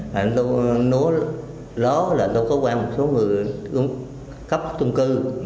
thành ra tôi nói rõ là tôi có qua một số người khắp trung cư